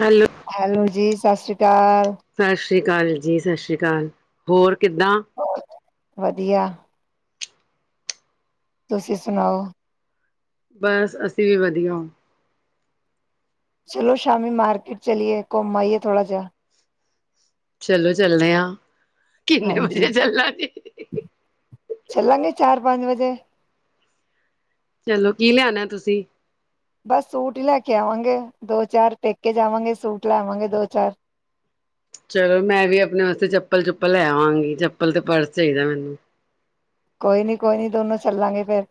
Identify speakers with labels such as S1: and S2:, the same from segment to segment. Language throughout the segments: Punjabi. S1: ਹੈਲੋ।
S2: ਹੈਲੋ, ਜੀ ਸਤਿ ਸ਼੍ਰੀ ਅਕਾਲ।
S1: ਸਤਿ ਸ਼੍ਰੀ ਅਕਾਲ ਜੀ, ਸਤਿ ਸ਼੍ਰੀ ਅਕਾਲ। ਹੋਰ ਕਿੱਦਾਂ?
S2: ਹੋਰ ਵਧੀਆ। ਤੁਸੀਂ ਸੁਣਾਓ?
S1: ਬਸ ਅਸੀਂ ਵੀ ਵਧੀਆ।
S2: ਚਲੋ ਸ਼ਾਮੀ ਮਾਰਕੀਟ ਚਲੀਏ ਘੁੰਮ ਆਈਏ ਥੋੜਾ ਜਿਹਾ।
S1: ਚਲੋ ਚੱਲਦੇ ਆ, ਕਿੰਨੇ
S2: ਹਾਂਜੀ
S1: ਵਜੇ ਚੱਲਣਾ ਜੀ।
S2: ਚੱਲਾਂਗੇ ਚਾਰ ਪੰਜ ਵਜੇ।
S1: ਚਲੋ ਕੀ ਲਿਆਣਾ ਤੁਸੀਂ?
S2: ਬਸ ਸੂਟ ਹੀ ਲੈ ਕੇ ਆਵਾਂਗੇ ਦੋ -ਚਾਰ ਪੇਕੇ ਜਾਵਾਂਗੇ ਸੂਟ ਲੈਵਾਂਗੇ ਦੋ- ਚਾਰ।
S1: ਚਲੋ ਮੈਂ ਵੀ ਆਪਣੇ ਵਾਸਤੇ ਚੱਪਲ ਚੁੱਪਲ ਲੈ ਆਵਾਗੀ, ਚੱਪਲ ਤੇ ਪਰਸ ਚਾਹੀਦਾ ਮੈਨੂੰ।
S2: ਕੋਈ ਨੀ, ਕੋਈ ਨੀ ਦੋਨੋਂ ਚੱਲਾਂਗੇ ਫੇਰ।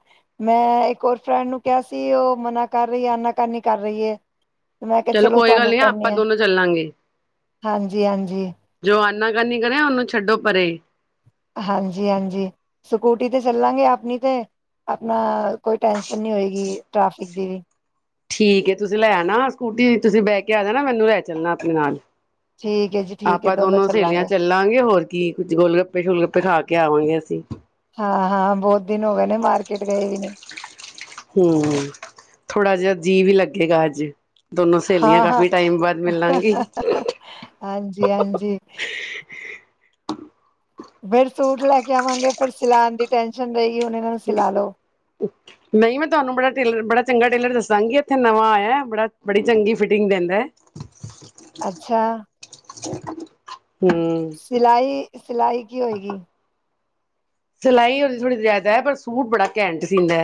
S2: ਮੈਂ ਇੱਕ ਹੋਰ ਫਰੈਂਡ ਨੂੰ ਕਿਹਾ ਸੀ ਉਹ ਮਨਾ ਕਰ ਰਹੀ ਹੈ ਆਨਾ ਕਾਨੀ ਕਰਨੀ ਕਰ ਰਹੀ ਹੈ। ਮੈਂ ਕਿਹਾ ਚਲੋ
S1: ਕੋਈ ਗੱਲ
S2: ਤੁਹਾਨੂੰ
S1: ਨੀ ਆਪਾਂ
S2: ਕਹਿੰਦੇ ਆ।
S1: ਦੋਨੋਂ ਚੱਲਾਂਗੇ
S2: ਹਾਂਜੀ, ਹਾਂਜੀ।
S1: ਜੋ ਆਨਾ ਕਾਨੀ ਕਰੇ ਉਹਨੂੰ ਛੱਡੋ ਪਰੇ।
S2: ਹਾਂਜੀ, ਹਾਂਜੀ। ਸਕੂਟੀ ਤੇ ਚੱਲਾਂਗੇ ਆਪਣੀ ਤੇ ਆਪਣਾ ਕੋਈ ਟੈਨਸ਼ਨ ਨਹੀਂ ਹੋਏਗੀ ਟ੍ਰੈਫਿਕ ਦੀ ਵੀ।
S1: ਠੀਕ ਹੈ ਤੁਸੀਂ ਲੈ ਆਣਾ ਸਕੂਟੀ ਤੁਸੀਂ ਬਹਿ ਕੇ ਆ ਜਾਣਾ ਮੈਨੂੰ ਲੈ ਚੱਲਣਾ ਆਪਣੇ ਨਾਲ
S2: ਠੀਕ ਹੈ ਜੀ ਠੀਕ ਹੈ
S1: ਆਪਾਂ
S2: ਦੋਨੋ
S1: ਸਹੇਲੀਆਂ
S2: ਚੱਲਾਂਗੇ।
S1: ਚੱਲਾਂਗੇ ਹੋਰ ਕੀ ਕੁੱਝ ਗੋਲ ਗੱਪੇ ਗੂਲ ਗੱਪੇ ਖਾ ਕੇ ਆਵਾਂਗੇ ਅਸੀ
S2: ਹਾਂ ਹਾਂ ਬਹੁਤ ਦਿਨ ਹੋ ਗਏ ਨੇ ਮਾਰਕੀਟ ਗਏ ਵੀ ਨਹੀਂ
S1: ਹਮ ਥੋੜਾ ਜਿਹਾ ਜੀਅ ਵੀ ਲੱਗੇਗਾ ਅੱਜ ਦੋਨੋ ਸਹੇਲੀਆਂ
S2: ਹਾਂ ਹਾਂ
S1: ਕਾਫ਼ੀ ਟਾਈਮ ਬਾਅਦ ਮਿਲਾਂਗੇ
S2: ਹਾਂਜੀ ਹਾਂਜੀ। ਫਿਰ ਸੂਟ ਲੈ ਕੇ ਆਵਾਂਗੇ ਫਿਰ ਸਿਲਾਉਣ ਦੀ ਟੈਸ਼ਨ ਰਹੇਗੀ ਹੁਣ ਇਹਨਾਂ ਨੂੰ ਸਲਾਹ ਲਓ
S1: ਨਹੀਂ ਮੈਂ ਤੁਹਾਨੂੰ ਬੜਾ ਟੇਲਰ ਬੜਾ ਚੰਗਾ ਟੇਲਰ ਦੱਸਾਂਗੀ ਇੱਥੇ ਨਵਾਂ ਆਇਆ ਬੜਾ ਬੜੀ ਚੰਗੀ ਫਿਟਿੰਗ ਦਿੰਦਾ ਹੈ।
S2: ਅੱਛਾ
S1: ਹਮ
S2: ਸਿਲਾਈ ਸਿਲਾਈ ਕੀ ਹੋਏਗੀ
S1: ਸਿਲਾਈ ਉਹਦੀ ਥੋੜ੍ਹੀ ਜਿਆਦਾ ਹੈ ਪਰ ਸੂਟ ਬੜਾ ਘੈਂਟ ਸੀਦਾ ਹੈ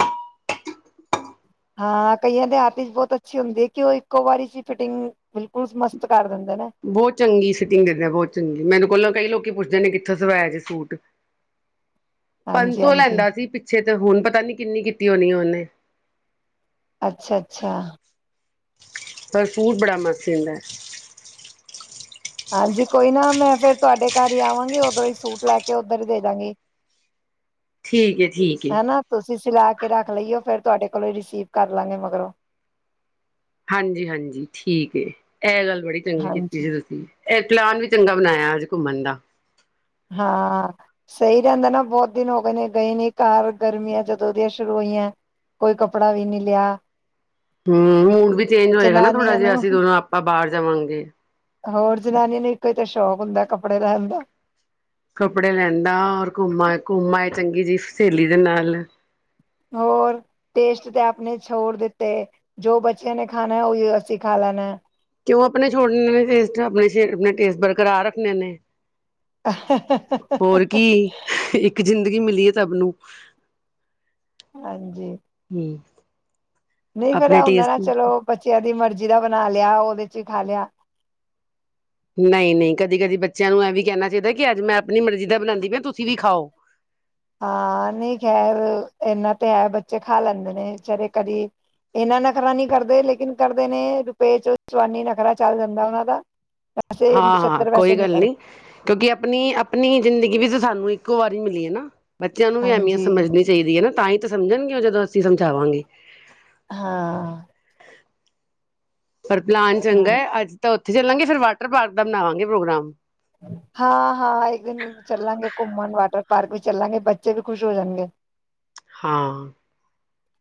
S2: ਹਾਂ ਕਈਆਂ ਦੇ ਹੱਥ ਚ ਬਹੁਤ ਅੱਛੀ ਹੁੰਦੀ ਹੈ ਕਿ ਉਹ ਇੱਕੋ ਵਾਰੀ ਚ ਫਿਟਿੰਗ ਬਿਲਕੁਲ ਮਸਤ ਕਰ ਦਿੰਦੇ ਨੇ
S1: ਬਹੁਤ ਚੰਗੀ ਫਿਟਿੰਗ ਦਿੰਦੇ ਬਹੁਤ ਚੰਗੀ ਮੈਨੂੰ ਕੋਲੋਂ ਕਈ ਲੋਕੀ ਪੁੱਛਦੇ ਨੇ ਕਿੱਥੋਂ ਸਵਾਇਆ ਜੇ ਸੂਟ
S2: [unintelligible]
S1: ਪੰਜ ਸੌ
S2: ਹਾਂਜੀ
S1: ਲੈਂਦਾ ਸੀ ਪਿੱਛੇ ਤੇ ਹੁਣ ਪਤਾ ਨੀ ਕਿੰਨੀ ਕੀਤੀ ਹੋਣੀ ਆ ਉਹਨੇ
S2: ਅੱਛਾ ਅੱਛਾ
S1: ਪਰ ਸੂਟ ਬੜਾ ਮਸਤ ਸੀਦਾਂ
S2: ਹਾਂਜੀ ਕੋਈ ਨਾ ਮੈਂ ਫੇਰ ਤੁਹਾਡੇ ਘਰ ਹੀ ਆਵਾਂਗੀ ਉਧਰੋਂ ਹੀ ਸੂਟ ਲੈ ਕੇ ਉਧਰ ਹੀ ਦੇਜਾਂਗੀ
S1: ਠੀਕ ਏ ਠੀਕ ਏ
S2: ਹਨਾ ਤੁਸੀਂ ਸਿਲਾ ਕੇ ਰੱਖ ਲਈਓ ਫੇਰ ਤੁਹਾਡੇ ਕੋਲੋਂ ਹੀ ਰਿਸੀਵ ਕਰ ਲਾਂਗੇ ਮਗਰੋਂ
S1: ਹਾਂਜੀ ਹਾਂਜੀ ਠੀਕ ਏ ਜੀ ਇਹ ਗੱਲ ਬੜੀ ਚੰਗੀ
S2: ਹਾਂਜੀ
S1: ਕੀਤੀ ਹੈ ਤੁਸੀਂ ਇਹ ਪਲਾਨ ਵੀ ਚੰਗਾ ਬਣਾਇਆ ਅੱਜ ਘੁੰਮਣ ਦਾ
S2: ਹਾਂ ਸਹੀ ਰਹਿੰਦਾ ਨਾ ਬਹੁਤ ਦਿਨ ਹੋ ਗਏ ਨੇ ਗਏ ਨੀ ਘਰ ਗਰਮੀਆਂ ਜਦੋਂ ਉਹ ਦੀਆਂ ਸ਼ੁਰੂ ਹੋਈਆਂ ਕੋਈ ਕੱਪੜਾ ਵੀ ਨਹੀਂ ਲਿਆ
S1: ਹਮ ਮੂਡ ਵੀ ਚੇਂਜ ਹੋਏਗਾ ਨਾ ਥੋੜਾ
S2: ਜਨਾਨੀਆਂ
S1: ਜਿਹਾ
S2: ਨੂੰ
S1: ਅਸੀਂ ਦੋਨੋਂ ਆਪਾਂ ਬਾਹਰ ਜਾਵਾਂਗੇ
S2: ਹੋਰ ਜਨਾਨੀਆਂ ਨੂੰ ਇੱਕੋ ਤਾਂ ਸ਼ੌਕ ਹੁੰਦਾ ਕੱਪੜੇ ਲੈਣ ਦਾ
S1: ਕੱਪੜੇ ਲੈਂਣ ਦਾ ਔਰ ਘੁੰਮਾ ਘੁੰਮ ਆਏ ਚੰਗੀ ਜਿਹੀ ਸਹੇਲੀ ਦੇ ਨਾਲ
S2: ਹੋਰ ਟੇਸਟ ਤੇ ਆਪਣੇ ਛੋੜ ਦਿੱਤੇ ਜੋ ਬੱਚਿਆਂ ਨੇ ਖਾਣਾ ਹੈ ਉਹੀ ਅਸੀਂ ਖਾ ਲੈਣਾ
S1: ਕਿਉਂ ਆਪਣੇ ਛੋੜਨੇ ਨੇ ਟੇਸਟ ਆਪਣੇ ਆਪਣੇ ਟੇਸਟ ਬਰਕਰਾਰ ਰੱਖਣੇ ਨੇ ਹੋਰ ਕੀ ਇੱਕ ਜ਼ਿੰਦਗੀ ਮਿਲੀ ਹੈ ਸਭ ਨੂੰ
S2: ਹਾਂਜੀ
S1: ਹਮ
S2: ਨਹੀਂ ਫੇਰ ਇਹ ਹੁੰਦਾ ਨਾ ਚਲੋ ਬੱਚਿਆਂ ਦੀ ਮਰਜ਼ੀ ਦਾ ਬਣਾ ਲਿਆ ਉਹਦੇ ਚ ਖਾ ਲਿਆ
S1: ਨਹੀਂ ਨਹੀਂ ਕਦੀ ਕਦੀ ਬੱਚਿਆਂ ਨੂੰ ਇਹ ਵੀ ਕਹਿਣਾ ਚਾਹੀਦਾ ਕਿ ਅੱਜ ਮੈਂ ਆਪਣੀ ਮਰਜ਼ੀ ਦਾ ਬਣਾਉਂਦੀ ਪਈ ਤੁਸੀਂ ਵੀ ਖਾਓ
S2: ਹਾਂ ਨਹੀਂ ਖੈਰ ਇਹਨਾ ਤੇ ਹੈ ਬੱਚੇ ਖਾ ਲੈਂਦੇ ਨੇ ਵਿਚਾਰੇ ਕਦੀ ਇੰਨਾ ਨਖਰਾ ਨਹੀ ਕਰਦੇ ਲੇਕਿਨ ਕਰਦੇ ਨੇ ਰੁਪਏ ਚ ਚਵਾਨੀ ਨਖਰਾ ਚੱਲ ਜਾਂਦਾ ਉਹਨਾਂ ਦਾ ਵੈਸੇ
S1: ਹਾਂ ਹਾਂ
S2: ਪਿਛੱਤਰ ਵੈਸੇ
S1: ਕੋਈ
S2: ਨਹੀਂ
S1: ਗੱਲ ਨੀ
S2: ਕਰਦੇ
S1: ਕਿਉਂਕਿ ਆਪਣੀ ਆਪਣੀ ਜ਼ਿੰਦਗੀ ਵੀ ਸਾਨੂੰ ਇੱਕੋ ਵਾਰੀ ਮਿਲੀ ਹੈ ਨਾ ਬੱਚਿਆਂ ਨੂੰ ਵੀ ਅਹਿਮੀਅਤ
S2: ਹਾਂਜੀ
S1: ਸਮਝਣੀ ਚਾਹੀਦੀ ਹੈ ਨਾ ਤਾਂ ਹੀ ਤਾਂ ਸਮਝਣਗੇ ਉਹ ਜਦੋਂ ਅਸੀਂ ਸਮਝਾਵਾਂਗੇ
S2: ਹਾਂ
S1: ਪਰ ਪਲਾਨ ਚੰਗਾ
S2: ਹਾਂ
S1: ਹੈ, ਅੱਜ ਤਾਂ ਉੱਥੇ ਚੱਲਾਂਗੇ ਫਿਰ ਵਾਟਰ ਪਾਰਕ ਦਾ ਬਣਾਵਾਂਗੇ ਪ੍ਰੋਗਰਾਮ।
S2: ਹਾਂ- ਹਾਂ ਇੱਕ ਦਿਨ ਚੱਲਾਂਗੇ ਘੁੰਮਣ, ਵਾਟਰ ਪਾਰਕ ਵੀ ਚੱਲਾਂਗੇ ਬੱਚੇ ਵੀ ਖੁਸ਼ ਹੋ ਜਾਣਗੇ।
S1: ਹਾਂ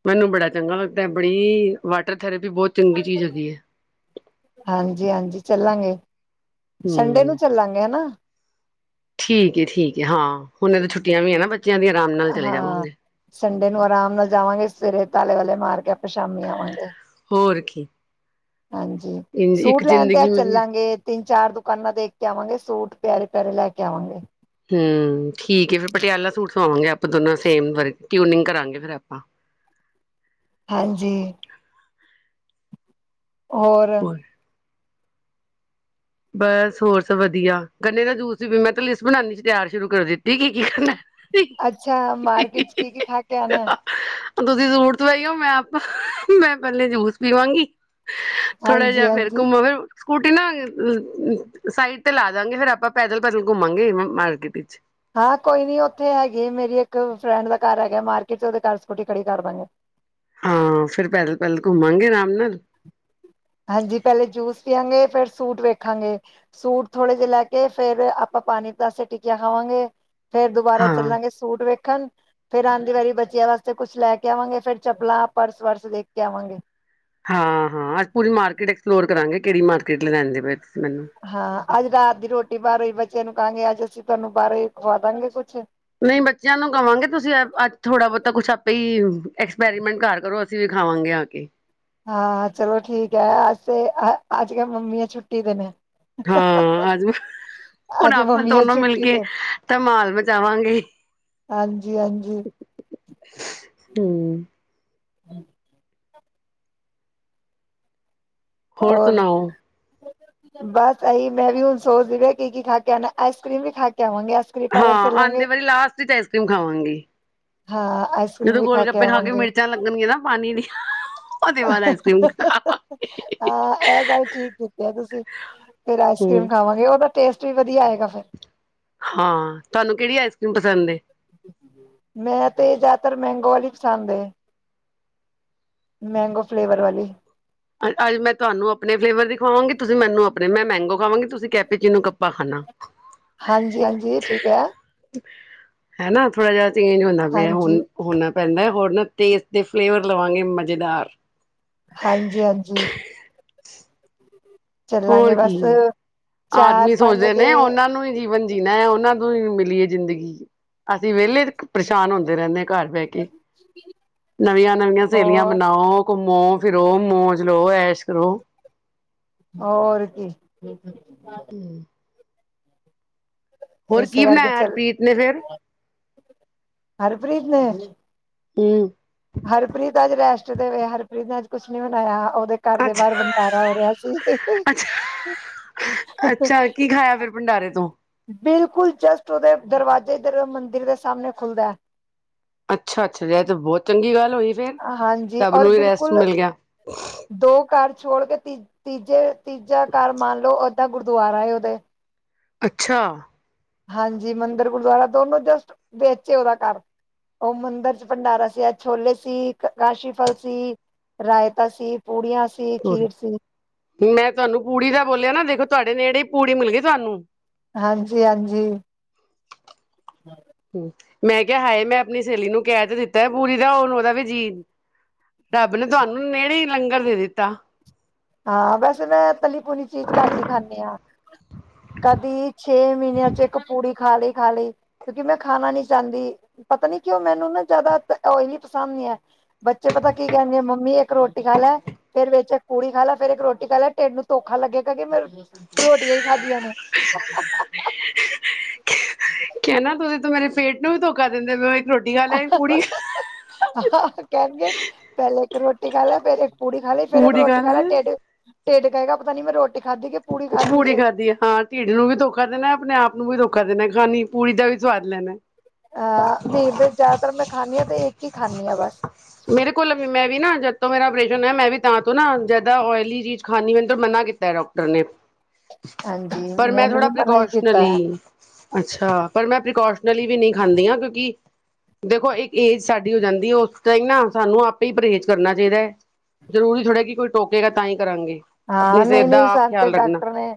S1: ਮੈਨੂੰ ਬੜਾ ਚੰਗਾ ਲੱਗਦਾ ਹੈ, ਬੜੀ ਵਾਟਰ ਥੈਰੇਪੀ ਬੋਤ ਚੰਗੀ ਚੀਜ਼ ਹੁੰਦੀ ਐ।
S2: ਹਾਂਜੀ -ਹਾਂਜੀ ਚੱਲਾਂਗੇ, ਸੰਡੇ ਨੂੰ
S1: ਹਮ
S2: ਚੱਲਾਂਗੇ ਹਨਾ,
S1: ਠੀਕ ਹੈ -ਠੀਕ ਹੈ ਹਾਂ ਹੁਣ ਇਹ ਤਾਂ ਛੁੱਟੀਆਂ ਵੀ ਹੈ ਨਾ ਬੱਚਿਆਂ ਦੀਆ ਆਰਾਮ ਨਾਲ ਚਲੇ
S2: ਹਾਂ
S1: ਜਾਵਾਂਗੇ।
S2: ਸੰਡੇ ਨੂੰ ਆਰਾਮ ਨਾਲ ਜਾਵਾਂਗੇ, ਸਵੇਰੇ ਤਾਲੇ ਵਾਲੇ ਮਾਰ ਕੇ ਆਪਾਂ ਸ਼ਾਮੀ ਆਵਾਂਗੇ।
S1: ਹੋਰ ਕੀ।
S2: ਹਾਂਜੀ
S1: ਇੰਝ ਇੱਕ
S2: ਸੂਟ ਲੈਣ ਤੇ
S1: ਜ਼ਿੰਦਗੀ
S2: ਅੱਜ
S1: ਮਿਲੀ
S2: ਚੱਲਾਂਗੇ। ਤਿੰਨ -ਚਾਰ ਦੁਕਾਨਾਂ ਦੇਖ ਕੇ ਆਵਾਂਗੇ, ਸੂਟ ਪਿਆਰੇ- ਪਿਆਰੇ ਲੈ ਕੇ ਆਵਾਂਗੇ।
S1: ਹਮ--ਠੀਕ ਏ, ਫਿਰ ਪਟਿਆਲਾ ਸੂਟ ਸਵਾਵਾਂਗੇ ਆਪਾਂ ਦੋਨੋ ਸੇਮ ਵਰਕ ਟਿਊਨਿੰਗ ਕਰਾਂਗੇ ਫੇਰ ਆਪਾਂ।
S2: ਹਾਂਜੀ। ਹੋਰ
S1: ਬਸ ਹੋਰ ਸਬ ਵਧੀਆ, ਗੰਨੇ ਦਾ ਜੂਸ ਦੀ ਵੀ ਮੈਂ ਤਾਂ ਲਿਸਟ ਬਣਾਨੀ ਚ ਤਿਆਰ ਸ਼ੁਰੂ ਕਰ ਦਿੱਤੀ ਕੀ -ਕੀ ਕਰਨਾ।
S2: ਅੱਛਾ ਮਾਰਕੀਟ ਚ ਕੀ- ਕੀ ਖਾ ਕੇ ਆਣਾ?
S1: ਤੁਸੀਂ ਸੂਟ ਸਵਾਈਓ, ਮੈਂ ਆਪਾ ਮੈਂ ਪਹਿਲੇ ਜੂਸ ਪੀਵਾਂਗੀ। ਥੋੜਾ
S2: ਹਾਂਜੀ
S1: ਜਿਹਾ ਫੇਰ
S2: ਹਾਂਜੀ।
S1: ਘੁਮੋਗੇ ਸਕੂਟੀ ਨਾ ਹਜੇ ਸਾਈਟ ਤੇ ਲਾਦਾਗੇ, ਫੇਰ ਆਪਾਂ ਪੈਦਲ- ਪੈਦਲ ਘੁਮਾਂਗੇ ਮਾਰਕੀਟ ਵਿੱਚ
S2: ਹਾਂ ਕੋਈ ਨੀ ਉੱਥੇ ਹੈਗੀ ਮੇਰੀ ਇੱਕ ਫਰੈਂਡ ਦਾ ਘਰ ਹੈਗਾ ਮਾਰਕੀਟ ਚ, ਉਹਦੇ ਘਰ ਸਕੂਟੀ ਖੜੀ ਕਰ ਦਾਂਗੇ।
S1: ਹਾਂ ਫਿਰ ਪੈਦਲ- ਪੈਦਲ ਘੁਮਾਂਗੇ ਆਰਾਮ ਨਾਲ
S2: ਹਾਂਜੀ ਪਹਿਲੇ ਜੂਸ ਪੀਆਂਗੇ, ਫੇਰ ਸੂਟ ਵੇਖਾਂਗੇ। ਸੂਟ ਥੋੜੇ ਜਿਹੇ ਲੈ ਕੇ ਫੇਰ ਆਪਾਂ ਪਾਣੀ ਪਤਾਸੇ ਟਿੱਕੀਆਂ ਖਾਵਾਂਗੇ। ਫੇਰ ਦੁਬਾਰਾ
S1: ਹਾਂ
S2: ਚੱਲਾਂਗੇ ਸੂਟ ਵੇਖਣ ਫੇਰ ਆਂਦੀ ਵਾਰੀ ਬੱਚਿਆਂ ਵਾਸਤੇ ਕੁੱਛ ਲੈ ਕੇ ਆਵਾਂਗੇ, ਫੇਰ ਚੱਪਲਾਂ ਪਰਸ -ਵਰਸ ਵੇਖ ਕੇ ਆਵਾਂਗੇ।
S1: ਹਾਂ- ਹਾਂ ਅਸੀ ਪੂਰੀ ਮਾਰਕੀਟ ਐਕਸਪਲੋਰ ਕਰਾਂਗੇ, ਕੇਹੜੀ ਮਾਰਕੀਟ ਲੈਣਦੇ ਪਏ ਤੁਸੀਂ ਮੈਨੂੰ।
S2: ਹਾਂ ਅੱਜ ਰਾਤ ਦੀ ਰੋਟੀ ਬਾਹਰੋਂ ਹੀ, ਬੱਚੇਆਂ ਨੂੰ ਕਹਾਂਗੇ ਅੱਜ ਅਸੀਂ ਤੁਹਾਨੂੰ ਬਾਹਰੋਂ ਖਵਾਦਾਂਗੇ ਕੁਛ
S1: ਨਹੀਂ ਬੱਚਿਆਂ ਨੂੰ ਕਵਾਂਗੇ ਤੁਸੀਂ ਅੱਜ ਥੋੜਾ- ਬੋਤਾ ਕੁਛ ਆਪੇ ਹੀ ਐਕਸਪੈਰੀਮੈਂਟ ਘਰ ਕਰੋ ਫੇਰ ਖਾਵਾਂਗੇ ਆ ਕੇ।
S2: ਹਾਂ ਚਲੋ ਠੀਕ ਐ, ਅੱਜ -ਅੱਜ ਮੰਮੀਆ ਛੁੱਟੀ ਤੇ ਨੇ,
S1: ਹਾਂ ਆਜੋ। ਹੁਣ
S2: ਅੱਜ
S1: ਆਪਾਂ
S2: ਮੰਮੀਆਂ
S1: ਦੋਨੋ ਮਿਲ
S2: ਛੁੱਟੀ
S1: ਕੇ
S2: ਤੇ
S1: ਧਮਾਲ ਮਚਾਵਾਂਗੇ।
S2: ਹਾਂਜੀ -ਹਾਂਜੀ।
S1: ਹਮ
S2: ਹੋਰ ਬਸ ਇਹੀ ਮੈਂ ਵੀ ਹੁਣ ਸੋਚ ਰਈ ਆ ਕੀ -ਕੀ ਖਾ ਕੇ ਆਣਾ, ਆਈਸ ਕ੍ਰੀਮ ਵੀ ਖਾ ਕੇ ਆਵਾਂਗੇ ਕਰ੍ਰੀਮ ਪਾਰਲਰ
S1: ਹਾਂ
S2: ਚੱਲਾਂਗੇ
S1: ਆਂਦੇ ਵਾਰੀ ਲਾਸਟ ਵਿੱਚ ਆਈਸ ਕ੍ਰੀਮ ਖਾਵਾਂਗੇ।
S2: ਹਾਂ ਆਈਸ ਕਰ੍ਰੀਮ
S1: ਜਦੋਂ
S2: ਵੀ
S1: ਗੋਲ ਗੱਪੇ ਖਾ ਕੇ
S2: ਆਵਾਂਗੇ
S1: ਮਿਰਚਾਂ ਲੱਗਣਗੀਆਂ ਨਾ ਪਾਣੀ ਦੀ ਉਸ ਤੋਂ ਬਾਅਦ ਆਈਸ ਕ੍ਰੀਮ ਖਾ
S2: ਹਾਂ ਇਹ ਗੱਲ ਠੀਕ ਕੀਤੀ ਹੈ ਤੁਸੀਂ, ਫੇਰ ਆਈਸ ਕ੍ਰੀਮ
S1: ਹੂੰ
S2: ਖਾਵਾਂਗੇ ਉਹ ਤਾਂ ਟੇਸਟ ਵੀ ਵਧੀਆ ਆਏਗਾ ਫਿਰ।
S1: ਹਾਂ ਤੁਹਾਨੂੰ ਕੇਹੜੀ ਆਈਸਕ੍ਰੀਮ ਪਸੰਦ ਏ?
S2: ਮੈਂ ਤੇ ਜ਼ਿਆਦਾਤਰ ਮੈਂਗੋ ਵਾਲੀ ਪਸੰਦ ਏ। ਮੈਂਗੋ ਫਲੇਵਰ ਵਾਲੀ।
S1: ਅਜ ਮੈਂ ਤੁਹਾਨੂੰ ਆਪਣੇ ਫਲੇਵਰ ਦੀ ਖਵਾਵਾਂਗੀ, ਤੁਸੀਂ ਮੈਨੂੰ ਆਪਣੇ ਮੈਂ ਮੈਂਗੋ ਖਾਵਾਂਗੀ ਤੁਸੀਂ ਕੈਪੇਚੀਨੂੰ ਖਾਨਾ
S2: ਹਾਂਜੀ- ਹਾਂਜੀ ਠੀਕ ਹੈ।
S1: ਹੈਨਾ ਥੋੜਾ ਜਿਹਾ ਚੇਂਜ ਹੁੰਣਾ ਪਿਆ
S2: ਹਾਂਜੀ
S1: ਹੁਣ। ਹੋਣਾ ਪੈਂਦਾ ਐ ਹੋਰ ਨਾ ਟੇਸਟ ਦੇ ਫਲੇਵਰ ਲਵਾਂਗੇ ਮਜ਼ੇਦਾਰ।
S2: ਹਾਂਜੀ- ਹਾਂਜੀ।
S1: [inaudible] ਹੋਰ
S2: ਚੱਲਾਂਗੇ
S1: ਕੀ,
S2: ਬਸ ਚਾਰ
S1: ਆਦਮੀ
S2: ਪੰਜ
S1: ਸੋਚਦੇ
S2: ਵਜੇ
S1: ਨੇ ਉਹਨਾਂ ਨੂੰ ਹੀ ਜੀਵਨ ਜੀਨਾ ਹੈ, ਉਹਨਾਂ ਤੋਂ ਹੀ ਮਿਲੀ ਏ ਜ਼ਿੰਦਗੀ। ਅਸੀਂ ਵਿਹਲੇ ਪਰੇਸ਼ਾਨ ਹੁੰਦੇ ਰਹਿੰਦੇ ਹਾਂ ਘਰ ਬਹਿ ਕੇ। ਨਵੀਆਂ- ਨਵੀਆਂ ਸਹੇਲੀਆਂ
S2: ਹੋਰ
S1: ਬਣਾਓ, ਘੁੰਮੋ ਫਿਰੋ ਮੋਜ ਲਓ, ਐਸ਼ ਕਰੋ।
S2: ਹੋਰ ਕੀ,
S1: ਹੂੰ। ਹੋਰ ਕੀ
S2: ਇਸੇ ਕਰਕੇ
S1: ਬਣਾਇਆ
S2: ਚੱਲ
S1: ਹਰਪ੍ਰੀਤ ਨੇ ਫੇਰ?
S2: ਹਰਪ੍ਰੀਤ ਨੇ
S1: ਹੂੰ।
S2: ਹਰਪ੍ਰੀਤ ਅੱਜ ਰੈਸ਼ਟ ਤੇ ਵੇ, ਹਰਪ੍ਰੀਤ ਨੇ ਅੱਜ ਕੁਛ ਨੀ ਬਨਾਇਆ ਉਹਦੇ ਘਰ ਦੇ ਬਾਹਰ
S1: ਅੱਛਾ
S2: ਭੰਡਾਰਾ ਹੋ ਰਿਹਾ ਸੀ।
S1: ਅੱਛਾ ਅੱਛਾ ਕੀ ਖਾਇਆ ਫੇਰ ਭੰਡਾਰੇ ਤੋਂ?
S2: ਬਿਲਕੁਲ ਜਸਟ ਉਹਦੇ ਦਰਵਾਜ਼ੇ ਇੱਧਰ ਮੰਦਿਰ ਦੇ ਸਾਹਮਣੇ ਖੁੱਲਦਾ ਏ।
S1: ਅੱਛਾ- ਅੱਛਾ ਇਹ ਤੇ ਬਹੁਤ ਚੰਗੀ ਗੱਲ ਹੋਈ ਫੇਰ
S2: ਹੈ। ਹਾਂਜੀ
S1: ਸਭ
S2: ਔਰ
S1: ਨੂੰ ਵੀ ਰੈਸਟ
S2: ਬਿਲਕੁਲ
S1: ਮਿਲ ਗਿਆ।
S2: ਦੋ ਘਰ ਛੋੜ ਕੇ ਤੀ ਤੀਜੇ ਤੀਜਾ ਘਰ ਮੰਨ ਲਓ ਓਦਾਂ ਗੁਰਦੁਆਰਾ ਹੈ ਉਹਦੇ।
S1: ਅੱਛਾ।
S2: ਹਾਂਜੀ ਮੰਦਿਰ, ਗੁਰਦੁਆਰਾ ਦੋਨੋਂ ਜਸਟ ਵਿੱਚ ਐ ਉਹਦਾ ਘਰ। ਉਹ ਮੰਦਿਰ ਚ ਭੰਡਾਰਾਂ ਸੀ। ਛੋਲੇ ਸੀ, ਕਾਂਸ਼ੀ ਫ਼ਲ ਸੀ। ਰਾਇਤਾ ਸੀਂ, ਪੂੜੀਆਂ ਸੀਂ, ਖੀਰ
S1: ਸੋਰੀ
S2: ਸੀਂ।
S1: ਮੈਂ ਤੁਹਾਂਨੂੰ ਪੂੜੀ ਦਾ ਬੋਲਿਆਂ ਨਾ, ਦੇਖੋਂ ਤੁਹਾਡੇ ਨੇੜੇ ਹੀ ਪੂੜੀ ਮਿਲ਼ ਗਈਂ ਤੁਹਾਂਨੂੰ।
S2: ਹਾਂਜੀ-ਹਾਂਜੀ। [inaudible]
S1: ਹੂੰ ਮੈਂ ਕਿਹਾਂ ਹਾਏ ਮੈਂ ਆਪਣੀਂ ਸਹੇਲੀ ਨੂੰ ਕਹਿ ਤੇ ਦਿੱਤਾਂ ਪੂੜੀ ਦਾ ਹਣ ਉਹਦਾ ਵੀ ਜੀਅ ਰੱਬ ਨੇਂ ਤੁਹਾਂਨੂੰ ਨੇੜੇ ਹੀ ਲੰਗਰ ਦੇ ਦਿੱਤਾਂ।
S2: ਹਾਂ ਵੈਸੇ ਮੈਂ ਤਲੀ- ਤੂਲੀ ਚੀਜ਼ ਘੱਟ ਹੀ ਖਾਂਦੀ ਹਾ। ਕਦੀਂ ਛੇ ਮਹੀਨਿਆਂ ਚ ਇੱਕ ਪੂੜੀ ਖਾਂ ਲਈ- ਖਾਂ ਲਈ। ਕਿਉਂਕਿ ਮੈਂ ਖਾਣਾਂ ਨੀਂ ਚਾਹੁੰਦੀ। ਪਤਾਂ ਨੀਂ ਕਿਉਂ ਮੈਂਨੂੰ ਨਾ ਜ਼ਿਆਦਾ ਓਇਲੀ ਪਸੰਦ ਨੀਂ ਐਂ। ਬੱਚੇ ਪਤਾਂ ਕੀ ਕਹਿਣਗੇ। ਮੰਮੀ ਇੱਕ ਰੋਟੀ ਖਾ ਲੈ ਫੇਰ ਵਿੱਚ ਇੱਕ ਪੂੜੀ, ਖਾ ਲਾ ਫੇਰ ਇੱਕ ਰੋਟੀ ਖਾ ਲੈ। ਟਿਡ ਨੂੰ ਧੋਖਾਂ ਲੱਗੇਗਾ ਕੀ ਮੈਂ ਰੋਟੀਆਂ ਹੀ ਖਾਧਿਆਂ ਨੇਂ।
S1: ਕਹਿਣਾਂ ਤੁਸੀਂ ਤਾਂ ਮੇਰੇ ਪੇਟ ਨੂੰ ਵੀ ਧੋਖਾਂ ਦਿੰਦੇਂ ਪਏ ਹੋ। ਇੱਕ ਰੋਟੀ ਖਾ ਲੈ ਇੱਕ ਪੂੜੀ,
S2: ਆਹ ਆਹ ਕਹਿਣਗੇ। ਪਹਿਲੇ ਇੱਕ ਰੋਟੀ ਖਾ ਲੈ, ਫੇਰ ਇੱਕ ਪੂੜੀ ਖਾ ਲਈ ਫੇਰ ਇੱਕ ਰੋਟੀ ਖਾ ਲੈ, ਢਿੱਡ- ਢਿੱਡ ਕਹੇਂਗਾ ਪਤਾਂ ਨੀਂ ਮੈਂ ਰੋ
S1: ਪੂੜੀ ਖਾਧੀ ਆ, ਹਾਂ। ਢਿੱਡ ਨੂੰ ਵੀ ਧੋਖਾਂ ਦੇਣਾਂ। ਆਪਣੇਂ ਆਪ ਨੂੰ ਵੀ ਧੋਖਾਂ ਦੇਣਾਂ। ਖਾਣੀਂ ਪੂੜੀ ਦਾ ਵੀ ਸਵਾਦ ਲੈਣਾਂ।
S2: ਅਹ ਨਹੀਂ ਫੇਰ ਜ਼ਿਆਦਾਤਰ ਮੈਂ ਖਾਂਦੀ ਹਾਂ ਤੇ ਇੱਕ ਹੀ ਖਾਂਦੀ ਹਾਂ ਬਸ।
S1: ਮੇਰੇ ਕੋਲ਼ ਵੀ ਮੈਂ ਵੀ ਨਾ ਜਦ ਤੋਂ ਮੇਰਾ ਅਪ੍ਰੇਸ਼ਨ ਹੋਇਆ। ਮੈਂ ਵੀ ਤਾਂ ਤੋਂ ਨਾ ਜ਼ਿਆਦਾ ਓਇਲੀ ਚੀਜ਼ ਖਾਂਨੀ, ਮੈਂਨੂੰ ਤਾਂ ਮਨਾਂ ਕੀਤਾਂ ਡਾਕ- ਟਰ ਨੇਂ
S2: ਹਾਂਜੀ
S1: ਪਰ ਮੈਂ
S2: ਮੈਨੂੰ
S1: ਥੋੜਾ
S2: ਵੀ ਮਨਾ ਹੀ ਕੀਤਾ
S1: ਪ੍ਰਿਕੋਸ਼ਨਲੀ।
S2: ਹੈ
S1: ਅੱਛਾ ਪਰ ਮੈਂ ਪ੍ਰੀਕੋਸ਼ਨਲੀ ਵੀ ਨਹੀ ਖਾਂਦੀ ਹਾਂ, ਕਿਉਂਕਿ ਦੇਖੋਂ ਇੱਕ ਏਜ ਸ਼ਾਡੀ ਹੋ ਜਾਂਦੀ। ਉਹ ਫੇਰ ਨਾ ਸਾਂਨੂੰ ਆਪੇ ਹੀ ਪਰਹੇਜ਼ ਕਰਨਾਂ ਚਾਹੀਂਦਾ ਹੈਂ। ਜ਼ਰੂਰੀ ਥੋੜਾ ਕਿ ਕੋਈ ਟੋਕੇਗਾ ਤਾਂ ਹੀ ਕਰਾਂਗੇ।
S2: ਹਾਂ
S1: ਆਪਣੀ ਸਿਹਤ
S2: ਨਹੀਂ-
S1: ਦਾ
S2: ਨਹੀਂ
S1: ਆਪ
S2: ਸਾਂਨੂੰ ਤੇ
S1: ਖਿਆਲ ਰੱਖਣਾ
S2: ਡਾਕਟਰ ਨੇਂ।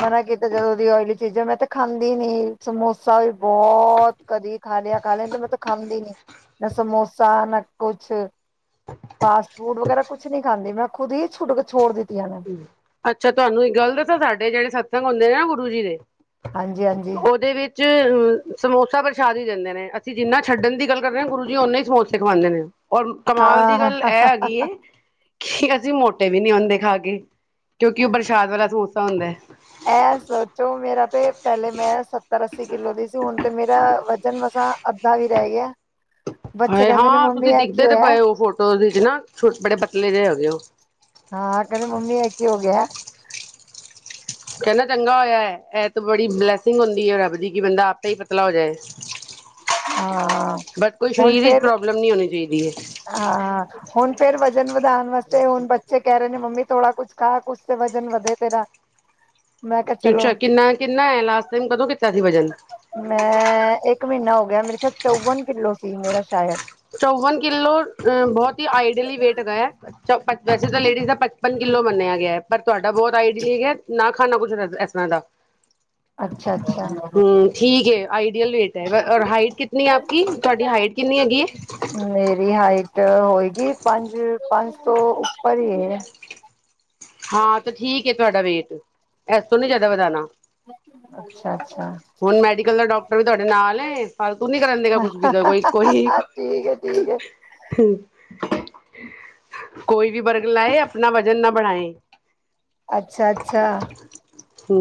S2: ਮਨਾਂ ਕੀਤਾ ਜਦੋਂ ਦੀ ਓਇਲੀ ਚੀਜ਼ਾਂ, ਮੈਂ ਤਾਂ ਖਾਂਦੀ ਨੀਂ ਸਮੋਸਾ ਵੀ ਬਹਓ ਤ। ਕਦੀਂ ਖਾਂ ਲ਼ਿਆ, ਖਾ ਲ਼ਿਆ, ਨਹੀਂ ਤਾਂ ਮੈਂ ਖਾਂਦੀ ਨੀਂ, ਨਾ ਏਹ ਸਮੋਸਾ ਨਾ ਕੁੱਛ। ਫਾਸਟ ਫੂਡ ਵਗ਼ੈਰਾ ਕੁੱਛ ਨੀਂ ਖਾਂਦੀ, ਮੈਂ ਖ਼ੁਦ ਹੀ ਛੁਡਕ ਛੋਡ ਦਿੱਤੀਆਂ ਨੇ।
S1: ਅੱਛਾ, ਤੁਹਾਨੂੰ ਇੱਕ ਗੱਲ਼ ਦੱਸਾਂ, ਸਾਡੇ ਜਿਹੜੇ ਸਤਸੰਗ ਹੁੰਦੇ ਨੇ ਨਾ, ਗੁਰੂ ਜੀ ਦੇ।
S2: ਹਾਂਜੀ ਹਾਂਜੀ
S1: ਉਹਦੇ ਵਿੱਚ। ਜੀ, ਸਮੋਸਾ ਪ੍ਰਸ਼ਾਦਿ ਹੀ ਦਿੰਦੇਂ ਨੇ। ਅਸੀਂ ਜਿੰਨਾਂ ਛੱਡਣ ਦੀ ਗੱਲ਼ ਕਰਦੇ ਹਾਂ, ਗੁਰੂ ਜੀ ਓਨਾਂ ਹੀ ਸਮੋਸੇ ਖਵਾਉਂਦੇ ਨੇ। ਔਰ, ਕਮਾਲ ਦੀ
S2: ਹਾਂ
S1: ਗੱਲ ਐਹ ਹੈਗੀ ਏ। ਇੱਕ ਅਸੀਂ ਮੋਟੇ ਵੀ ਨੀਂ ਹੁੰਦੇ ਖਾ ਕੇ, ਕਿਉਂਕਿ ਉਹ ਪ੍ਰਸ਼ਾਦ ਵਾਲਾ ਸਮੋਸਾ ਹੁੰਦੈ।
S2: ਇਹ ਸੋਚੋ, ਮੇਰਾ ਤੇ, ਪਹਿਲੇ ਮੈਂ ਸੱਤਰ-ਅੱਸੀ ਕਿੱਲੋ ਦੀ ਸੀ, ਹੁਣ ਤੇ ਮੇਰਾ ਵਜ਼ਨ ਮਸਾਂ। ਅੱਧਾ ਵੀ ਰਹਿ ਗਿਆ। ਬੱਚੇ
S1: ਹਾਏ
S2: ਕਹਿੰਦੇ ਨੇ
S1: ਆ,
S2: ਮੰਮੀ
S1: ਤੁਸੀਂ
S2: ਇਹ ਕੀ
S1: ਦਿਖਦੇ ਤੇ
S2: ਹੋਇਆ
S1: ਪਏ ਹੋ ਫ਼ੋਟੋ ਦੇ ਵਿੱਚ ਨਾ, ਛੋਟੇ, ਬੜੇ ਪਤਲੇ ਜੇ ਹੈਗੇ ਓ।
S2: ਹਾਂ, ਕਹਿੰਦੀ ਮੰਮੀ, ਇਹ ਕੀ ਹੋ ਗਿਐ।
S1: ਕਹਿਦੈ ਚੰਗਾ ਹੋਇਆ ਏ, ਇਹ ਤੇ ਬੜੀ ਬਲੈਸਿੰਗ ਹੁੰਦੀਂ ਹੈ ਰੱਬ ਦੀ, ਕਿ ਬੰਦਾ ਆਪੇ ਹੀ ਪੱਤਲਾ ਹੋ ਜਾਏ।
S2: ਹਾਂ
S1: ਬਸ ਕੋਈ ਸ਼ਰੀਰ ਵਿੱਚ ਪ੍ਰੋਬਲਮ ਨੀ ਹੋਣੀਂ ਚਾਹੀਦੀ ਏ।
S2: ਅ ਅ। ਹੁਣ ਫੇਰ ਵਜ਼ਨ ਵਧਾਉਣ ਵਾਸਤੇ, ਹੁਣ ਬੱਚੇ ਕਹਿ ਰਹੇ ਨੇ, ਮੰਮੀ, ਥੋੜਾ ਕੁੱਛ ਖਾ, ਕੁੱਛ ਤੇ ਵਜ਼ਨ ਵਧੇ ਤੇਰਾ। [inaudible]
S1: ਅੱਛਾ,
S2: ਚਲੋ
S1: ਕਿੰਨਾ ਏ, ਕਿੰਨਾ ਹੈਂ ਲਾਸਟ ਟਾਇਮ, ਕਦੋਂ ਕੀਤਾ ਸੀ ਵਜ਼ਨ।
S2: ਮੈਂ, ਇੱਕ ਮਹੀਨਾਂ ਹੋ ਗਿਆ, ਮੇਰੇ ਖ਼ਿਆਲ ਚੌਵਨ ਕਿੱਲੋ ਸੀ ਮੇਰਾ ਸ਼ਾਇਦ।
S1: ਚੌਵਨ ਕਿੱਲੋ ਅ ਬਹੁਤ ਹੀ ਆਈਡਲੀ ਵੇਟ ਹੈਗਾ ਐ। ਵੈਸੇ ਤਾਂ ਲੇਡੀਜ਼ ਦਾ। ਪਚਪਨ ਕਿੱਲੋ ਮੰਨਿਆ ਗਿਐ, ਪਰ ਤੁਹਾਡਾ ਬਹੁਤ ਆਈਡਲੀ ਹੈਗਾ, ਨਾ ਖਾਣਾ ਕੁੱਛ ਇਸ ਤਰ੍ਹਾਂ ਦਾ।
S2: ਅੱਛਾ, ਅੱਛਾ।
S1: ਹੂੰ, ਠੀਕ ਹੈ, ਆਈਡਅਲ ਵੇਟ ਹੈ, ਹਾਈਟ ਕਿਤਨੀ ਹੈ ਆਪ ਕੀ। ਤੁਹਾਡੀ ਹਾਈਟ ਕਿੰਨੀ ਹੈਗੀ ਏ।
S2: ਮੇਰੀ ਹਾਈਟ ਹੋਏਗੀ ਪੰਜ, ਪੰਜ ਤੋਂ ਉੱਪਰ ਹੀ ਏ।
S1: ਹਾਂ, ਤੇ ਠੀਕ ਹੈ ਤੁਹਾਡਾ ਵੇਟ, ਏਸ ਤੋਂ ਨੀ ਜ਼ਿਆਦਾ ਵਧਾਣਾ।
S2: ਅੱਛਾ ਅੱਛਾ
S1: ਹੁਣ ਮੈਡੀਕਲ ਦਾ ਡੋਕ। ਤੁਆਡੇ ਨਾਲ ਨੇ, ਫਾਲਤੂ ਨੀ ਕਰਨ ਦੇ ਗਾ ਕੁਜ ਵੀ ਤੇ ਕੋਈ- ਕੋ।
S2: ਠੀਕ ਹੈ ਠੀਕ ਹੈ
S1: ਹ, ਕੋਈ ਵੀ ਬਰਗਲਾਏ, ਆਪਣਾ ਵਜ਼ਨ ਨਾ ਬੜਾਈ।
S2: ਅੱਛਾ, ਅੱਛਾ।
S1: ਹੁ।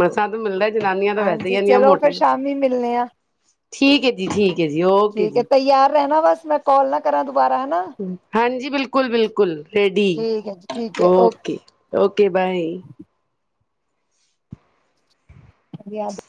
S1: ਮਸਾਂ ਤ ਮਿਲਦਾ ਜਨਾਨੀਆਂ ਤਾਂ ਵੈਸੇ ਈ
S2: ਹਾਂਜੀ
S1: ਏਨੀਆਂ
S2: ਚਲੋ ਫਿਰ
S1: ਮੋਟੀਆ।
S2: ਸ਼ਾਮੀ ਮਿਲਣੇ ਆ
S1: ਠੀਕ ਏ ਜੀ, ਠੀਕ ਏ ਜੀ, ਉ।
S2: ਠੀਕ ਹੈ, ਤਿਆਰ ਰਹਿਣਾ ਬਸ, ਮੈਂ ਕੋਲ ਨਾ ਕਰਾਂ ਦੁਬਾਰਾ, ਹਨਾ।
S1: ਹਾਂਜੀ, ਬਿਲਕੁਲ-ਬਿਲਕੁਲ, ਰੇਡੀ
S2: ਠੀਕ ਹੈ ਜੀ ਠੀਕ ਹੈ
S1: ਓਕੇ, ਓਕੇ ਬਾਏ।
S2: [inaudible]